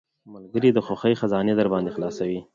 ملګری د خوښۍ خزانې درباندې خلاصوي.